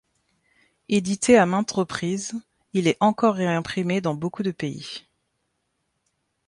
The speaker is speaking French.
Édité à maintes reprises, il est encore réimprimé dans beaucoup de pays.